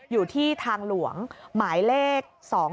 อยู่ที่ทางหลวงหมายเลข๒๕๖